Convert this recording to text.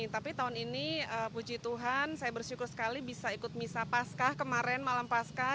tapi tahun ini puji tuhan saya bersyukur sekali bisa ikut misah pascah kemarin malam pascah